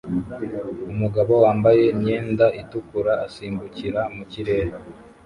Umugabo wambaye imyenda itukura asimbukira mu kirere